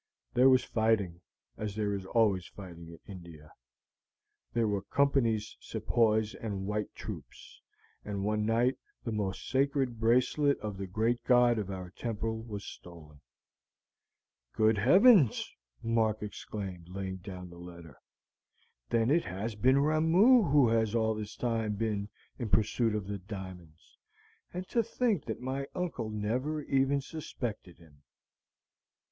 There was fighting, as there is always fighting in India. There were Company's Sepoys and white troops, and one night the most sacred bracelet of the great god of our temple was stolen." "Good Heavens!" Mark exclaimed, laying down the letter. "Then it has been Ramoo who has all this time been in pursuit of the diamonds; and to think that my uncle never even suspected him!"